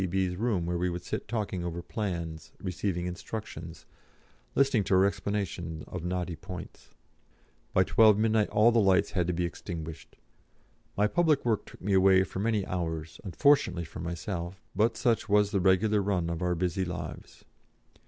P.B.'s room where we would sit talking over plans, receiving instructions, listening to her explanation of knotty points. By 12 midnight all the lights had to be extinguished. My public work took me away for many hours, unfortunately for myself, but such was the regular run of our busy lives.